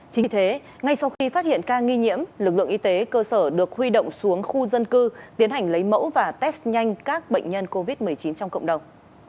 chính thế ngay sau khi phát hiện ca nghi nhiễm lực lượng y tế cơ sở được huy động xuống khu dân cư tiến hành lấy mẫu và test nhanh các bệnh nhân covid một mươi chín trong cộng đồng